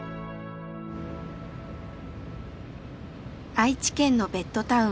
愛知県のベッドタウン